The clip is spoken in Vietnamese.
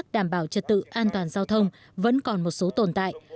đảm bảo trật tự an toàn giao thông vẫn còn một số tồn tại